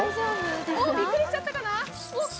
おっ、びっくりしちゃったかな。